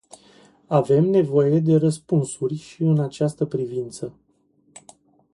Avem nevoie de răspunsuri și în această privință.